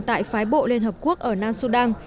tại phái bộ liên hợp quốc ở nam sudan